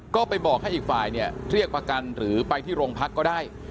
ก็ไปบอกให้อีกฝ่ายเนี่ยเรียกประกันหรือไปที่โรงพักก็ได้